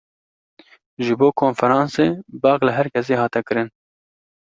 Ji bo konferansê, bang li herkesî hate kirin